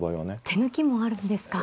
手抜きもあるんですか。